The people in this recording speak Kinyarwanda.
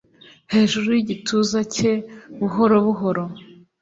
hejuru yigituza cye buhoro buhoro;